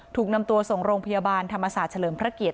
ถูกนำตัวส่งโรงพยาบาลธรรมศาสตร์เฉลิมพระเกียรติ